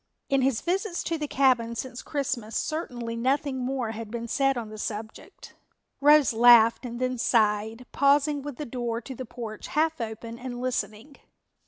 In his visits to the cabin since Christmas certainly nothing more had been said on the subject. Rose laughed and then sighed, pausing with the door to the porch half open and listening.